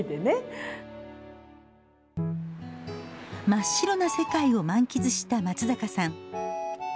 真っ白な世界を満喫した松坂さん。